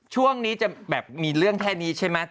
ช่วงนี้จะแบบมีเรื่องแค่นี้ใช่ไหม